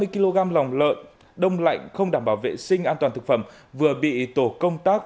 năm mươi kg lòng lợn đông lạnh không đảm bảo vệ sinh an toàn thực phẩm vừa bị tổ công tác